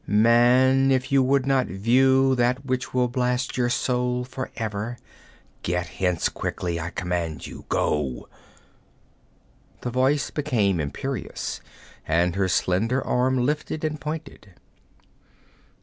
Man, if you would not view that which will blast your soul for ever, get hence quickly! I command you! Go!' The voice became imperious, and her slender arm lifted and pointed.